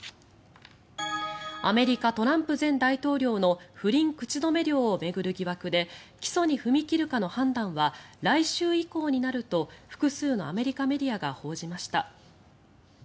アメリカ、トランプ前大統領の不倫口止め料を巡る疑惑で起訴に踏み切るかの判断は来週以降になると複数のアメリカメディアが報じました。